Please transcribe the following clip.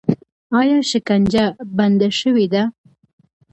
آیا شکنجه بنده شوې ده؟